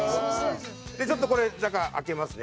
ちょっとこれ中開けますね。